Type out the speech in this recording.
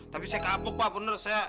tapi saya kapuk pak bener